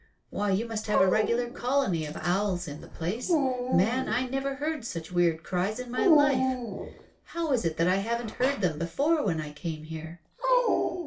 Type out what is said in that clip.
Why, you must have a regular colony of owls in the place. Man, I never heard such weird cries in my life. How is it that I haven't heard them before when I came here?"